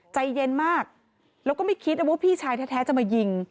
ใจเย็นมากแล้วก็ไม่คิดนะว่าพี่ชายแท้จะมายิง